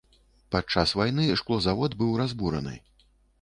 Падчас вайны шклозавод быў разбураны.